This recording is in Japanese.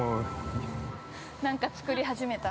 なんか作り始めた。